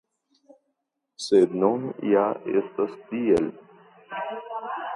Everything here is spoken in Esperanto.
Sed nun ja estas tiel.